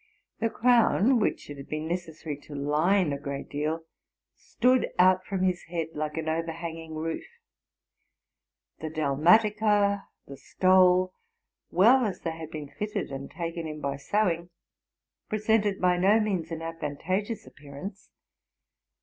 The crown, which it had heen neces sary to line a great deal, stood out from his head like an Ov erhanging roof. The dalmatica, the stole, well as they had been fitted and taken. in by sewing, presented by no means an advantageous appearance.